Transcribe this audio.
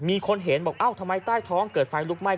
มีคนเห็นบอกเอ้าทำไมใต้ท้องเกิดไฟลุกไหม้